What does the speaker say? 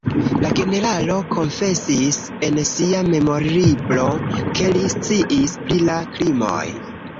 La generalo konfesis en sia memorlibro, ke li sciis pri la krimoj.